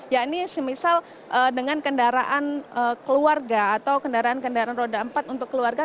ya ini semisal dengan kendaraan keluarga atau kendaraan kendaraan roda empat untuk keluarga